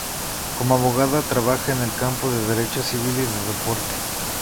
Como abogada trabaja en el campo del derecho civil y del deporte.